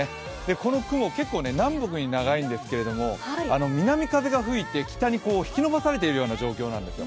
この雲、結構、南北に長いんですけれど、南風が吹いて北に引き伸ばされているような状況なんですよ。